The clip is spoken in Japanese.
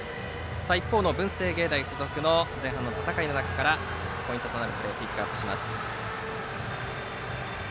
一方の文星芸大付属の前半の戦いの中からポイントとなるプレーをピックアップします。